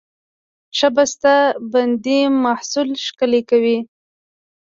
ښه بسته بندي محصول ښکلی کوي.